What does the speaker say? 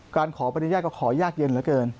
การขออนุญาตก็ขอยากเย็นเหลือเกิน